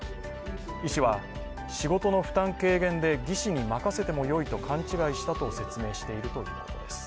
医師は、仕事の負担軽減で技士に任せてもよいと勘違いしたと説明しているということです。